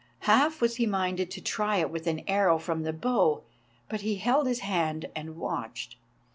Half was he minded to try it with an arrow from the bow, but he held his hand and watched.